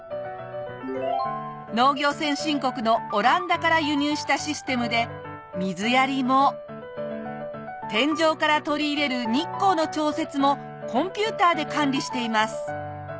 農業先進国のオランダから輸入したシステムで水やりも天井から取り入れる日光の調節もコンピューターで管理しています。